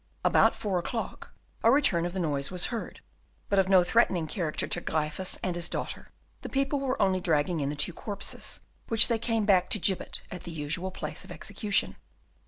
About four o'clock a return of the noise was heard, but of no threatening character to Gryphus and his daughter. The people were only dragging in the two corpses, which they came back to gibbet at the usual place of execution.